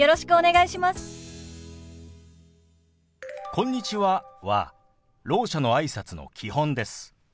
「こんにちは」はろう者のあいさつの基本です。